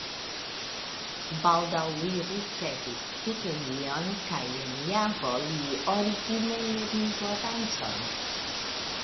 Baldaŭ li ricevis stipendion kaj en Javo li origine lernis la dancon.